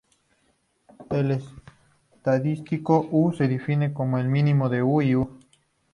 El estadístico "U" se define como el mínimo de "U" y "U".